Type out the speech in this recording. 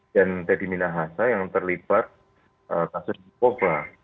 dan deddy minahasa yang terlibat kasus kubah